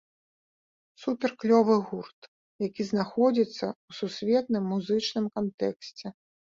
Супер-клёвы гурт, які знаходзіцца ў сусветным музычным кантэксце.